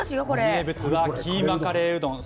名物はキーマカレーうどんです。